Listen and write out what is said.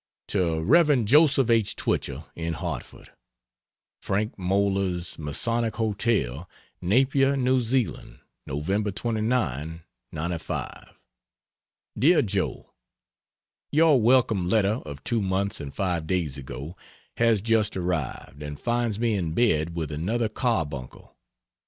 To Rev. Jos. H. Twichell, in Hartford: FRANK MOELLER'S MASONIC HOTEL, NAPIER, NEW ZEALAND, November 29, '95. DEAR JOE, Your welcome letter of two months and five days ago has just arrived, and finds me in bed with another carbuncle.